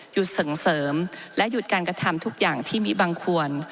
ส่งเสริมและหยุดการกระทำทุกอย่างที่มีบังควร